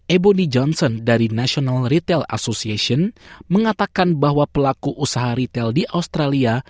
eboni johnson dari national retail association mengatakan bahwa pelaku usaha retail di australia